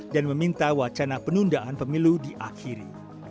dan meminta wacana penundaan pemilu diakhiri